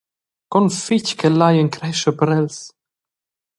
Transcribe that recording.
Con fetg ch’el lai encrescher per els.